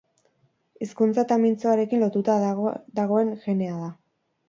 Hizkuntza eta mintzoarekin lotuta dagoen genea da.